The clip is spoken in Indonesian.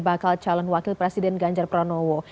bakal calon wakil presiden ganjar pranowo